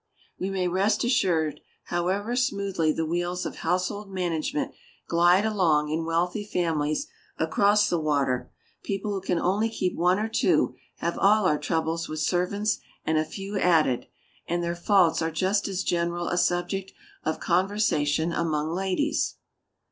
We may rest assured, however smoothly the wheels of household management glide along in wealthy families across the water, people who can only keep one or two have all our troubles with servants and a few added, and their faults are just as general a subject of conversation among ladies.